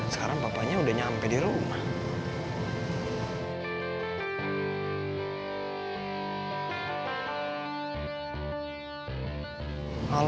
sekarang papanya udah nyampe di rumah